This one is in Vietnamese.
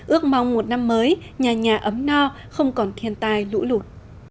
ước mong một năm mới nhà nhà ấm no không còn thiên tai lũ lụt